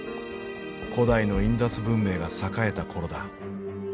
古代のインダス文明が栄えた頃だ。